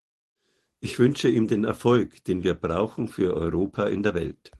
Ich wünsche ihm den Erfolg, den wir brauchen für Europa in der Welt.